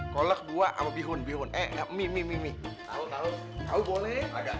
kalau gua aku bihon bihon eh mimi tahu tahu boleh